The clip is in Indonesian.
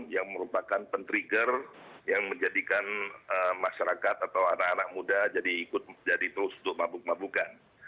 yang merupakan pentriger yang menjadikan masyarakat atau anak anak muda jadi terus terus mabuk mabukan